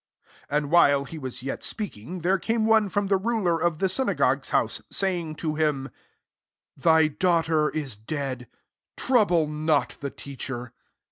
49 And while he was yet speaking, there came one from the ruler of the synagogue's Ao««f, saying to him, '"^ Thy daughter is dead : trouble not the Teacher.